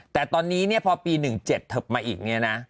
แต่ตอนนี้เนี่ยพอปี๑๗เทิบมาอีกเนี่ยนะ